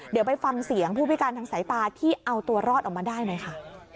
เดี๋ยวไปฟังเสียงผู้พิการทางสายตาที่เอาตัวรอดออกมาได้หน่อยค่ะ